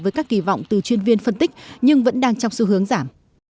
với các kỳ vọng từ chuyên viên phân tích nhưng vẫn đang trong xu hướng giảm